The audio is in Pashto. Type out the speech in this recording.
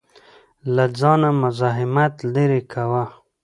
له ځانه مزاحمت لرې کاوه.